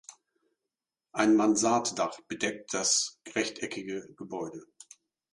Ein Mansarddach bedeckt das rechteckige Gebäude.